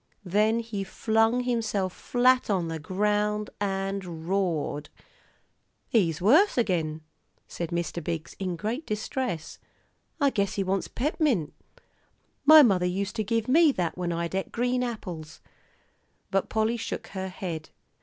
Then he flung himself flat on the ground and roared. "He's worse agin," said Mr. Biggs, in great distress. "I guess he wants pep'mint. My mother used to give me that when I'd et green apples." But Polly shook her head.